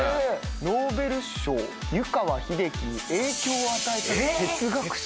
「ノーベル賞・湯川秀樹に影響を与えた哲学者」。